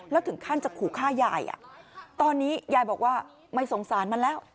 แล้วถึงขั้นจะขู่ฆ่ายายตอนนี้ยายบอกว่าไม่สงสารมันแล้ว